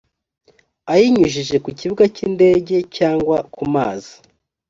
ayinyujije ku kibuga cy indege cyangwa ku mazi